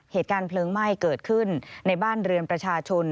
เหตุการณ์เพลิงไหม้เกิดขึ้นในบ้านเรือนประชาชน